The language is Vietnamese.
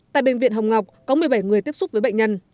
tại bệnh viện hồng ngọc có một mươi bảy người tiếp xúc với bệnh nhân